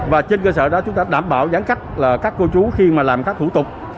và trên cơ sở đó chúng ta đảm bảo giãn cách là các cô chú khi mà làm các thủ tục